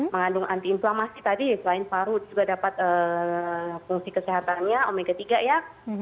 mengandung antiinflammasi tadi selain parut juga dapat fungsi kesehatannya omega tiga ya